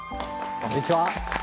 こんにちは。